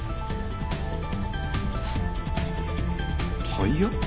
タイヤ？